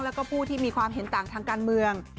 แล้วก็ผู้ที่มีความเห็นต่างทางการเมือง